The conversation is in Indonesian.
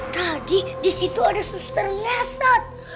tadi disitu ada susar nyesot